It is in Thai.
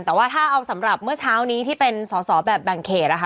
แต่ว่าถ้าเอาสำหรับเมื่อเช้านี้ที่เป็นสอสอแบบแบ่งเขตนะคะ